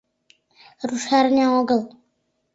Рушарня огыл.